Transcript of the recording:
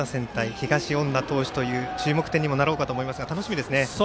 東恩納投手という注目点にもなろうかと思いますが、楽しみですね。